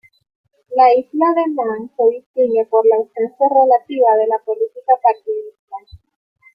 La isla de Man se distingue por la ausencia relativa de la política partidista.